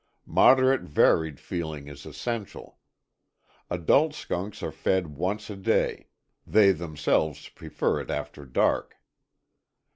Moderate varied feeding is essential. Adult skunks are fed once a day, they themselves prefer it after dark.